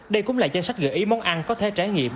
đây cũng là danh sách gợi ý món ăn có thể trải nghiệm